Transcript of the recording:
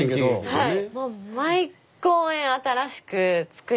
はい。